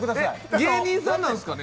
芸人さんなんですかね。